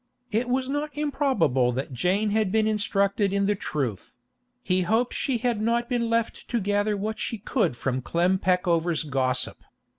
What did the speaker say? It was not improbable that Jane had been instructed in the truth; he hoped she had not been left to gather what she could from Clem Peckover's gossip.